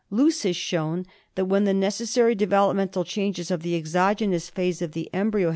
Loos has shown that when the necessary develop mental changes of the exogenous phase of the embryo i8 ANKYLOSTOMIASIS.